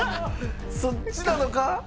そっちなのか？